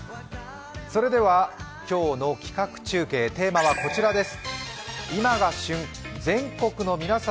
それでは今日の企画中継、テーマはこちらです。